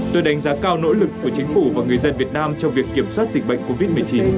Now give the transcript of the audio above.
tôi đánh giá cao nỗ lực của chính phủ và người dân việt nam trong việc kiểm soát dịch bệnh covid một mươi chín